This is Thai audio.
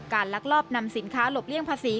ลักลอบนำสินค้าหลบเลี่ยงภาษี